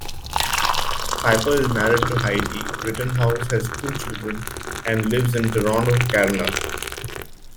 Pyper is married to Heidi Rittenhouse, has two children, and lives in Toronto, Canada.